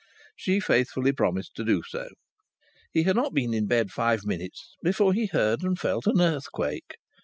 She faithfully promised to do so. He had not been in bed five minutes before he heard and felt an earthquake.